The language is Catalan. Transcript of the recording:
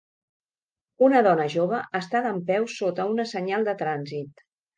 Una dona jove està dempeus sota una senyal de trànsit.